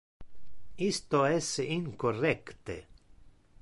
Isto es incorrecte.